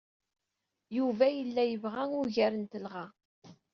Yuba yella yebɣa ugar n telɣa.